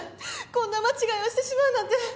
こんな間違いをしてしまうなんて。